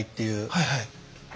はいはい。